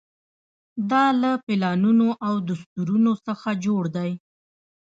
دا له پلانونو او دستورونو څخه جوړ دی.